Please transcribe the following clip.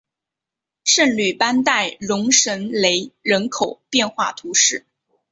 圣吕班代容什雷人口变化图示